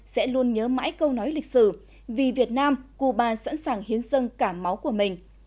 sẽ luôn nhớ mãi câu nói lịch sử vì việt nam cuba sẵn sàng hiến sân cả máu của mình